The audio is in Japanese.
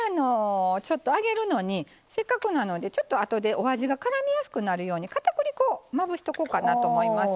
揚げるのにせっかくなのでちょっとあとでお味がからみやすくなるように片栗粉をまぶしとこうかなと思います。